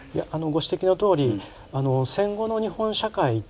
ご指摘のとおり戦後の日本社会というのは